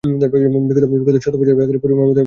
বিগত শত বছরে পরিবহন ব্যবস্থার ব্যপক পরিবর্তন হয়েছে।